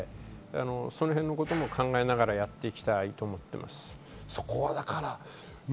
その辺のことも考えながらやってきたいと思っています。